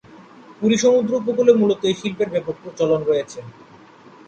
পুরী সমুদ্র উপকূলে মূলত এই শিল্পের ব্যাপক চলন রয়েছে।